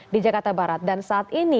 di jakarta barat dan saat ini